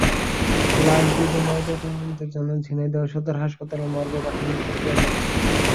লাশ দুটি ময়নাতদন্তের জন্য ঝিনাইদহ সদর হাসপাতালের মর্গে পাঠানোর প্রক্রিয়া চলছে।